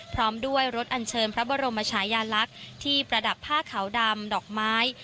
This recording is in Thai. พร้อมด้วยรถอันเชิญพระบรมชายาลักษณ์ที่ประดับผ้าขาวดำดอกไม้